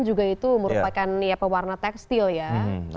dan juga itu merupakan pewarna tekstil ya